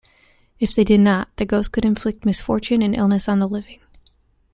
If they did not, the ghosts could inflict misfortune and illness on the living.